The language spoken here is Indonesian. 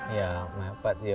ya mepet ya